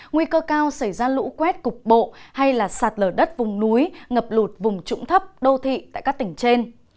nguy cơ cao xảy ra lũ quét cục bộ hay sạt lở đất vùng núi ngập lụt vùng trũng thấp đô thị tại các tỉnh trên